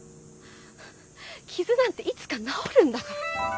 傷なんていつか治るんだから。